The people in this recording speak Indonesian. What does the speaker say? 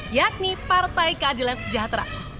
yakni partai keadilan sejahtera